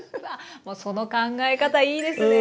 もうその考え方いいですね。